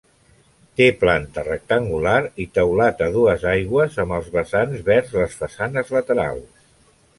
Té planta rectangular i teulat a dues aigües amb els vessants vers les façanes laterals.